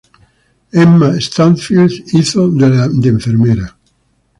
Emma Stansfield hizo de la enfermera.